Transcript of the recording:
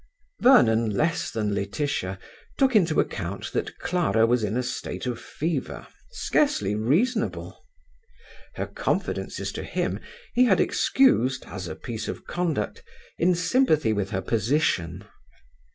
Vernon less than Laetitia took into account that Clara was in a state of fever, scarcely reasonable. Her confidences to him he had excused, as a piece of conduct, in sympathy with her position.